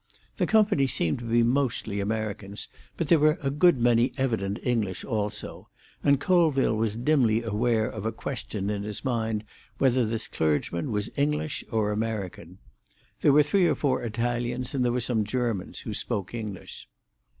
The company seemed to be mostly Americans, but there were a good many evident English also, and Colville was dimly aware of a question in his mind whether this clergyman was English or American. There were three or four Italians and there were some Germans, who spoke English.